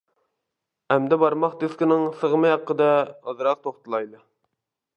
ئەمدى بارماق دىسكىنىڭ سىغىمى ھەققىدە ئازراق توختىلايلى.